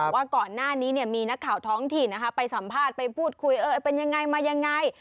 ว่าก่อนหน้านี้มีนักข่าวท้องถิ่นไปสัมภาษณ์ไปพูดคุยเป็นยังไงมายังไง